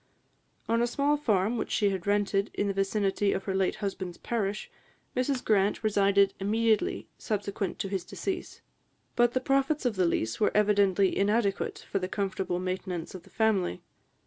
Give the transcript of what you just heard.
On a small farm which she had rented, in the vicinity of her late husband's parish, Mrs Grant resided immediately subsequent to his decease; but the profits of the lease were evidently inadequate for the comfortable maintenance of the family.